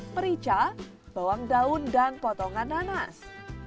merica bawang daun dan potongan nanas